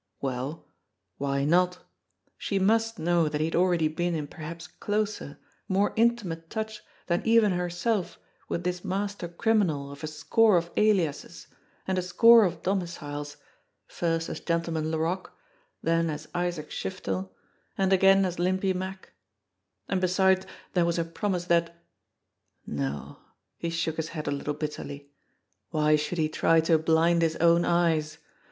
Well, why not ? She must know that he had already been in per haps closer, more intimate touch than even herself with this THE MESSAGE 75 master criminal of a score of aliases and a score of domi ciles, first as Gentleman Laroque, then as Isaac Shiftel, and again as Limpy Mack. And besides there was her promise that no ! He shook his head a little bitterly. Why should he try to blind his own eyes